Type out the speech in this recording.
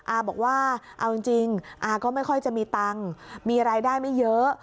อาบอกว่าเอาจริงอาก็ไม่ค่อยจะมีตังค์มีรายได้ไม่เยอะ